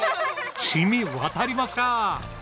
染み渡りますか！